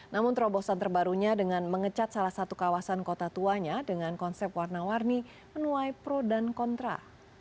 namun terobosan terbarunya dengan mengecat salah satu kawasan kota tuanya dengan konsep warna warni menuai pro dan kontra